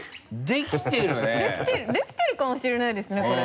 できてるかもしれないですねこれ。